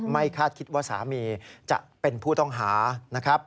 คาดคิดว่าสามีจะเป็นผู้ต้องหานะครับ